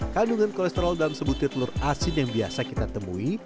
kandungan kolesterol dalam sebutir telur asin yang biasa kita temui